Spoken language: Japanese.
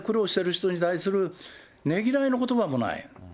信者たちで苦労している人たちに対するねぎらいのことばもない。